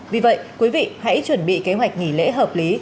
vì vậy quý vị hãy chuẩn bị kế hoạch nghỉ lễ hợp lý